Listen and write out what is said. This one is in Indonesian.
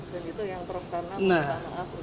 dan itu yang perangkanan apa